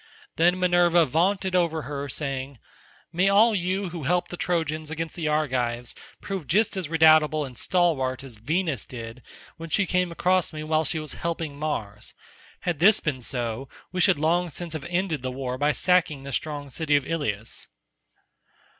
Then Minerva vaunted over her saying, "May all who help the Trojans against the Argives prove just as redoubtable and stalwart as Venus did when she came across me while she was helping Mars. Had this been so, we should long since have ended the war by sacking the strong city of Ilius."